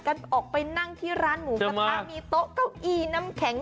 กันออกไปนั่งที่ร้านหมูกระทะมีโต๊ะเก้าอี้น้ำแข็ง